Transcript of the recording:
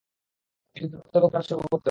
এ যুদ্ধে রক্ত এবং প্রাণ উৎসর্গ করতে হবে।